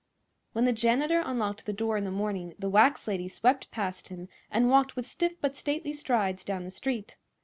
When the janitor unlocked the door in the morning the wax lady swept past him and walked with stiff but stately strides down the street.